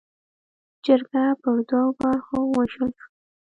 جرګه پر دوو برخو ووېشل شوه.